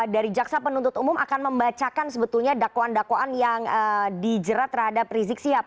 dari jaksa penuntut umum akan membacakan sebetulnya dakwaan dakwaan yang dijerat terhadap rizik sihab